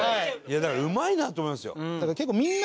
だからうまいなと思いますよ。